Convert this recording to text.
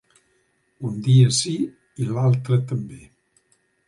Un dia sí i l'altre també.